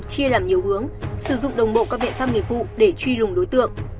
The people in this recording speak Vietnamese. chia làm nhiều hướng sử dụng đồng bộ các biện pháp nghiệp vụ để truy lùng đối tượng